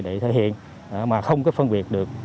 để thể hiện mà không có phân biệt được